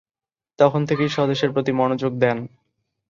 তখন থেকেই স্বদেশের প্রতি মনোযোগ দেন।